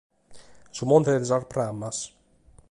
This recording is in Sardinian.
Su monte de sas pramas.